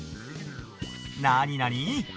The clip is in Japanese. なになに？